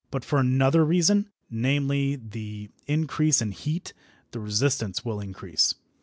But for another reason namely, the increase in heat the resistance will increase.